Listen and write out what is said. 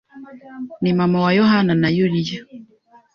Ni mama wa yohana na Yuliya